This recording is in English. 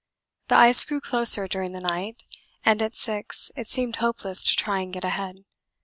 The ice grew closer during the night, and at 6 it seemed hopeless to try and get ahead.